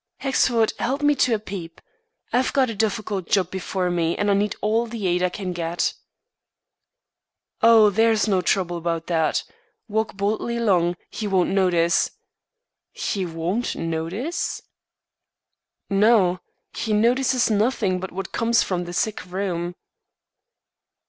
"Hexford, help me to a peep. I've got a difficult job before me and I need all the aid I can get." "Oh, there's no trouble about that! Walk boldly along; he won't notice " "He won't notice?" "No, he notices nothing but what comes from the sick room."